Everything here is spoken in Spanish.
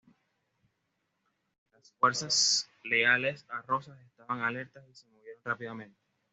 Las fuerzas leales a Rosas estaban alertas y se movieron rápidamente.